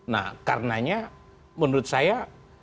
nah karenanya menurut saya